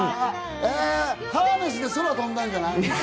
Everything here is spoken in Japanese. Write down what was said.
ハーネスで空を飛んだんじゃない？